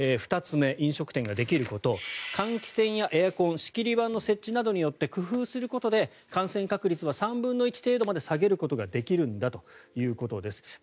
２つ目、飲食店ができること換気扇やエアコン仕切り板の設置などによって工夫することで感染確率は３分の１程度まで下げることができるんだということです。